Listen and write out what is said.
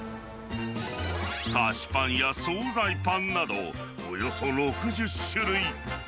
菓子パンや総菜パンなど、およそ６０種類。